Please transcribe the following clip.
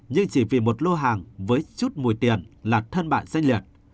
nhưng chỉ vì một lô hàng với chút mùi tiền là thân bạn dễ liệt